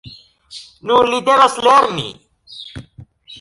Nu li devas lerni!